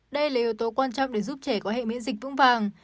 đây là yếu tố quan trọng để giúp trẻ có hệ miễn dịch vững vàng